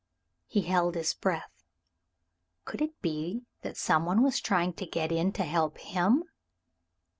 He held his breath. Could it be that some one was trying to get in to help him?